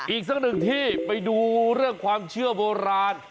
อีกสักหนึ่งที่ไปดูเรื่องความเชื่อโบราณ